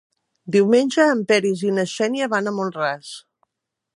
Diumenge en Peris i na Xènia van a Mont-ras.